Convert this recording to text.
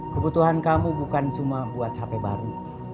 kebutuhan kamu bukan cuma buat hp baru